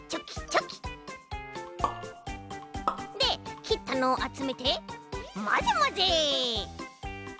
できったのをあつめてまぜまぜ。